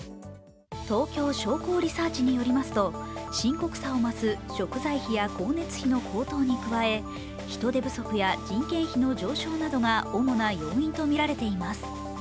東京商工リサーチによりますと、深刻さを増す食材費や光熱費の高騰に加え、人手不足や人件費の上昇などが主な要因とみられています。